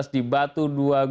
di batu dua gunung